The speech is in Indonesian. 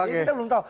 kita belum tahu